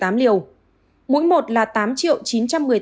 mũi một là tám chín trăm một mươi tám ba trăm một mươi một liều